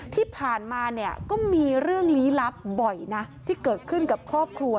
ที่ผ่านมาเนี่ยก็มีเรื่องลี้ลับบ่อยนะที่เกิดขึ้นกับครอบครัว